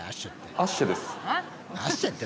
アッシェって。